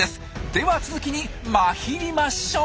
では続きにマヒリましょう！